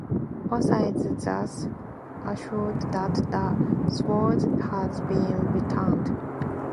Arthur is thus assured that the sword has been returned.